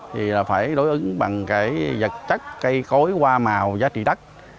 thì phải đối ứng bằng vật chất cây cối hoa màu giá trị đắt